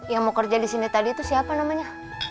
yang mau kerja di sini tadi itu siapa namanya